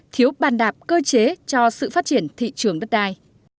thiếu bàn đạp cơ chế cho sự phát triển thị trường đất đai